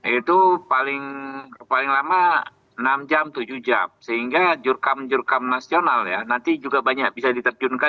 itu paling lama enam jam tujuh jam sehingga jurkam jurkam nasional ya nanti juga banyak bisa diterjunkan